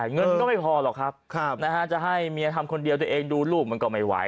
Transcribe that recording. เงินก็ไม่พอหรอกครับจะให้เมียทำคนเดียวตัวเองดูลูกมันก็ไม่ไหว